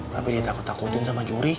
tapi ditakut takutin sama curi